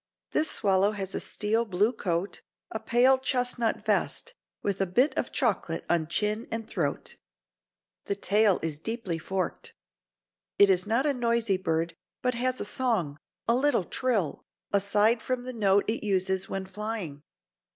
This swallow has a steel blue coat, a pale chestnut vest, with a bit of chocolate on chin and throat. The tail is deeply forked. It is not a noisy bird, but has a song—a little trill—aside from the note it uses when flying.